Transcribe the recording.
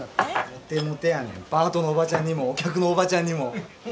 モテモテやねんパートのおばちゃんにもお客のおばちゃんにも。